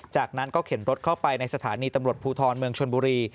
จากนั้นเข็นรถเข้าไปในสถานีปรุธรชนบุรี